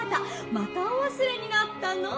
またおわすれになったの？